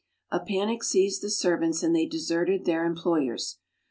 A panic seized the servants and they deserted their employers.